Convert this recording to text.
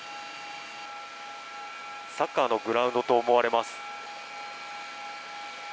サッカーのグラウンドと思われます。